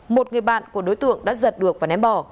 một người bạn của đối tượng đã giật được và ném bỏ